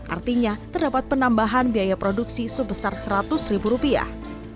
artinya terdapat penambahan biaya produksi sebesar seratus ribu rupiah